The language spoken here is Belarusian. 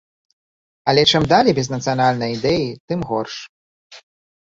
Але чым далей без нацыянальнай ідэі, тым горш.